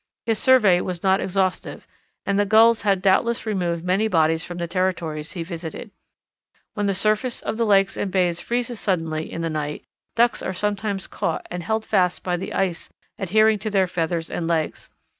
His survey was not exhaustive and the Gulls had doubtless removed many bodies from the territory he visited. When the surface of lakes and bays freezes suddenly in the night Ducks are sometimes caught and held fast by the ice adhering to their feathers and legs.